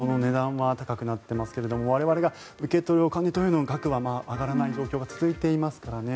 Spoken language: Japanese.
物の値段は高くなっていますが我々が受け取るお金の額は上がらない状況が続いていますからね。